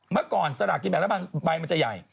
เมื่อก่อนสลากกินแบ่งรัฐบาลใบมันจะใหญ่